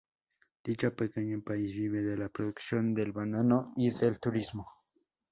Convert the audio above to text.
Dicho pequeño país vive de la producción del banano y del turismo.